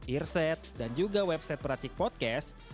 earset dan juga website peracik podcast